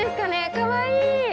かわいい！